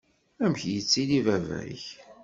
Amek yettili baba-k?